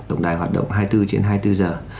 tổng đài hoạt động hai mươi bốn trên hai mươi bốn giờ